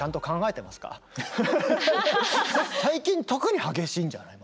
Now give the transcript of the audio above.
最近特に激しいんじゃない？